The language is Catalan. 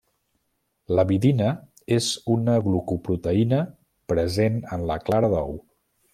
L'avidina és una glucoproteïna present en la clara d'ou.